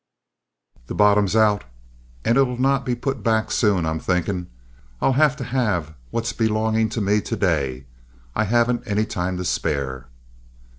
"The bottom's out, and it'll not be put back soon, I'm thinkin'. I'll have to have what's belongin' to me to day. I haven't any time to spare."